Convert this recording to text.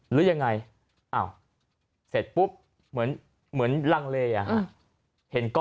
หรือยังไงเสร็จปุ๊บเหมือนรั่งเลยอ่ะฮะ